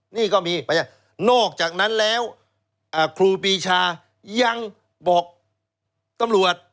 นี่ก็มีนอกจากนั้นแล้วครูปีชายังบอกตำรวจ